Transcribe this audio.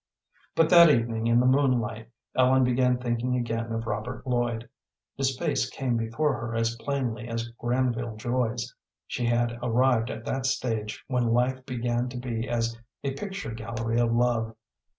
But that evening in the moonlight Ellen began thinking again of Robert Lloyd. His face came before her as plainly as Granville Joy's. She had arrived at that stage when life began to be as a picture gallery of love.